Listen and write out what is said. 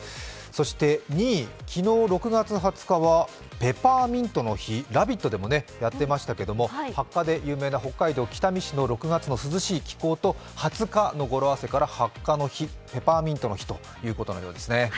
そして２位、昨日６月２０日はペパーミントの日、「ラヴィット！」でもやっていましたが、ハッカで有名な北海道北見市の涼しい気候と、２０日の語呂合わせからハッカの日、ペパーミントの日なんですね。